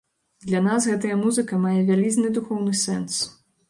Для нас гэтая музыка мае вялізны духоўны сэнс.